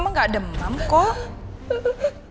tapi mama gak demam kok